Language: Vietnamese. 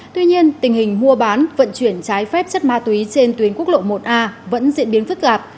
tuy nhiên tình hình mua bán vận chuyển trái phép chất ma túy trên tuyến quốc lộ một a vẫn diễn biến phức tạp